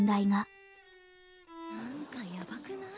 なんかやばくない？